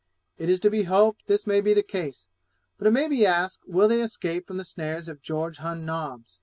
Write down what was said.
It is to be hoped this may be the case; but it may be asked, will they escape from the snares of George Hunn Nobbs?